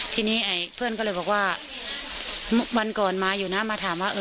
ทีนี้เพื่อนก็เลยบอกว่าวันก่อนมาอยู่นะมาถามว่า